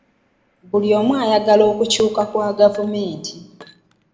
Buli omu ayagala okukyuka kwa gavumenti.